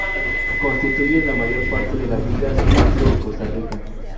Constituyen la mayor parte de la vida silvestre de Costa Rica.